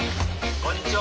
こんにちは。